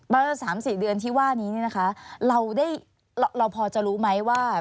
เมื่อ๓๔เดือนที่ว่านี้เราพอจะรู้ไหมว่า